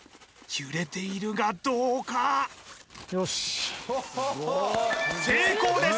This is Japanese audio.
揺れているがどうかよし成功です